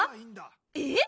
えっ？